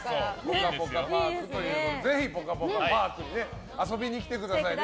ぽかぽかパークということでぜひ、ぽかぽかパークに遊びに来てくださいね。